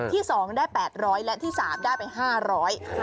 ที่๒ได้๘๐๐และที่๓ได้ไป๕๐๐บาท